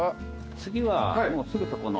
次は。